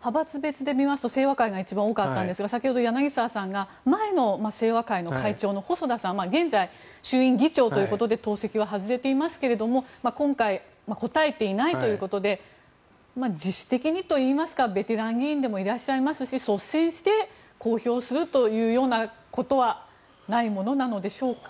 派閥別で見ますと清和会が一番多かったんですが先ほど柳澤さんが前の清和会の会長の細田さんが現在、衆院議長ということで党籍は外れていますが今回、答えていないということで自主的にといいますかベテラン議員でもいらっしゃいますし率先して公表するというようなことはないものなのでしょうか。